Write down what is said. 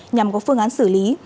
nhằm có phương án xử lý